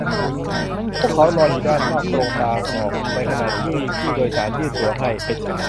พวกเขารออยู่ด้านนอกตรงทางออก ในขณะที่ผู้โดยสารยื่นตั๋วให้